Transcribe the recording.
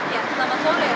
ya selamat sore